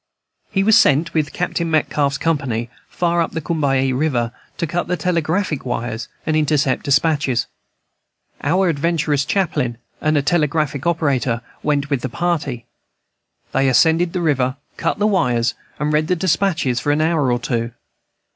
He was sent with Captain Metcalf's company far up the Combahee River to cut the telegraphic wires and intercept despatches. Our adventurous chaplain and a telegraphic operator went with the party. They ascended the river, cut the wires, and read the despatches for an hour or two.